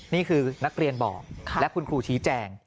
นี่คือนักเรียนบอกและคุณครูชี้แจง